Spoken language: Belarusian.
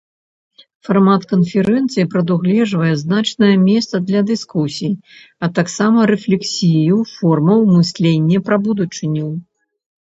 Фармат канферэнцыі прадугледжвае значнае месца для дыскусій, а таксама рэфлексію формаў мыслення пра будучыню.